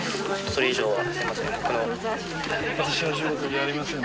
それ以上は。